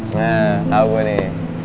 nah tau gua nih